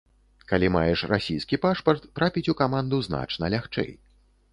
Калі маеш расійскі пашпарт, трапіць у каманду значна лягчэй.